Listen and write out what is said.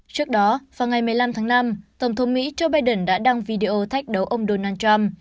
trước đó vào ngày một mươi năm tháng năm tổng thống mỹ joe biden đã đăng video thách đấu ông donald trump